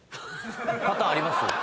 パターンあります？